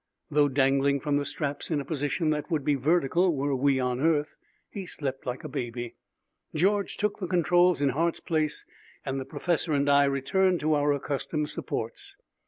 Though dangling from the straps in a position that would be vertical were we on earth, he slept like a baby. George took the controls in Hart's place and the professor and I returned to our accustomed supports.